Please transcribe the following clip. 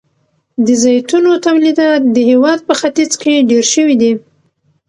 د زیتونو تولیدات د هیواد په ختیځ کې ډیر شوي دي.